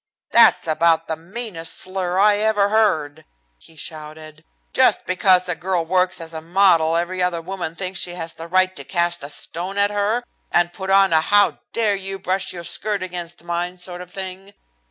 "That's about the meanest slur I ever heard," he shouted. "Just because a girl works as a model every other woman thinks she has the right to cast a stone at her, and put on a how dare you brush your skirt against mine sort of thing.